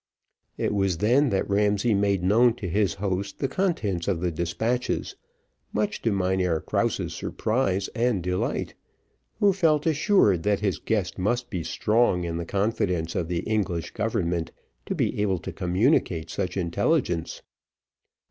It was then that Ramsay made known to his host the contents of the despatches, much to Mynheer Krause's surprise and delight, who felt assured that his guest must be strong in the confidence of the English government, to be able to communicate such intelligence.